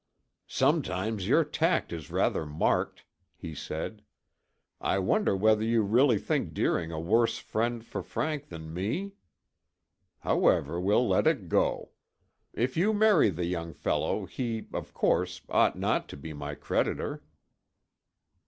"Sometimes your tact is rather marked," he said. "I wonder whether you really think Deering a worse friend for Frank than me? However, we'll let it go. If you marry the young fellow, he, of course, ought not to be my creditor."